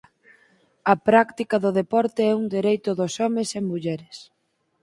A práctica do deporte é un dereito dos homes e mulleres.